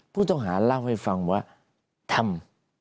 ผู้ต้องหาเล่าให้ฟังว่าทำ